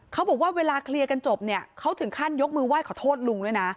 เขาบอกว่าเวลาเคลียร์กันจบเนี่ยเขาถึงขั้นยกมือไหว้ขอโทษลุงด้วยนะ